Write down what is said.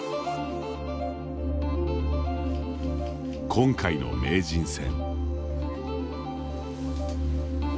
今回の名人戦。